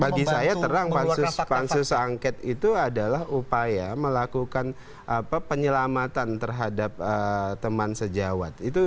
bagi saya terang pansus angket itu adalah upaya melakukan penyelamatan terhadap teman sejawat